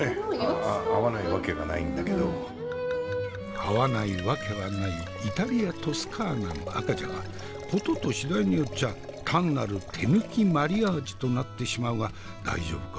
合わないわけはないイタリア・トスカーナの赤じゃが事と次第によっちゃ単なる手抜きマリアージュとなってしまうが大丈夫か？